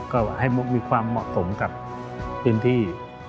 ก็ให้มีความเหมาะสมกับพื้นที่